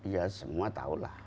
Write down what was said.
ya semua tahu lah